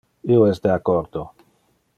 Io es de accordo.